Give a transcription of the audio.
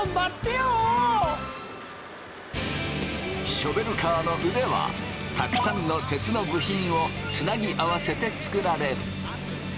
ショベルカーの腕はたくさんの鉄の部品をつなぎ合わせて作られる。